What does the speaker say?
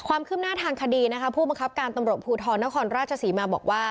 ความคืบหน้าทางคดีนะคะผู้บังคับการตำรวจภูทรนครราชศรีมาบอกว่า